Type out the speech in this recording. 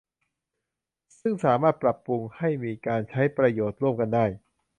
ซึ่งสามารถปรับปรุงให้มีการใช้ประโยชน์ร่วมกันได้